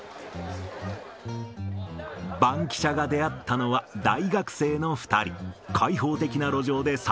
バンキシャが出会ったのは、大学生の２人。